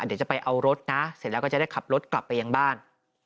เดี๋ยวจะไปเอารถนะเสร็จแล้วก็จะได้ขับรถกลับไปยังบ้าน